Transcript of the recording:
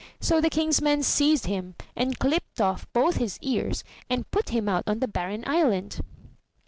So the King's men seized him, and clipped off both his ears, and put him out on the barren island.